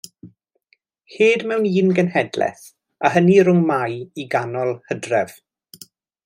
Hed mewn un genhedlaeth a hynny rhwng Mai i ganol Hydref.